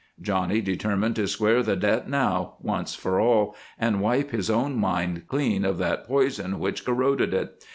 Johnny determined to square the debt now, once for all, and wipe his own mind clean of that poison which corroded it.